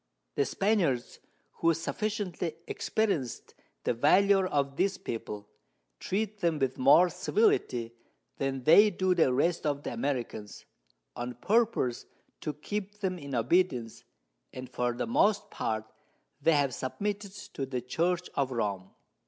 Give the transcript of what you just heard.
The Spaniards, who sufficiently experienc'd the Valour of this People, treat them with more Civility than they do the rest of the Americans, on purpose to keep them in Obedience, and for the most part they have submitted to the Church of Rome.